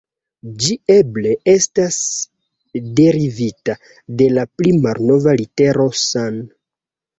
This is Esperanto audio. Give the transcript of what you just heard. Ĝi eble estas derivita de la pli malnova litero san.